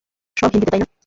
সব হিন্দিতে, তাই না?